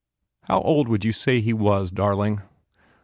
"How old would you say he was, darling?"